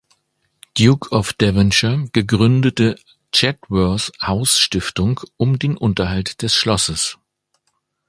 Duke of Devonshire, gegründete Chatsworth House Stiftung um den Unterhalt des Schlosses.